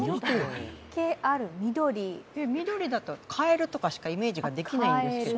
緑だと、かえるとかしかイメージできないんですけど。